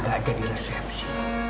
kaga ada di resepsi